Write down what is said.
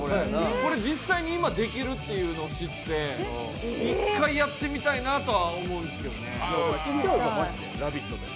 これ実際に今できるというのを知って、１回やってみたいなとは思うんですよね。